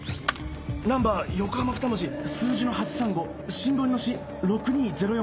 ナンバー横浜ふた文字数字の８３５新聞の「し」６２−０４。